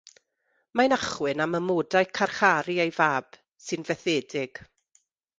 Mae'n achwyn am amodau carcharu ei fab, sy'n fethedig.